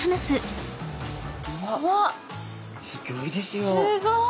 すごい！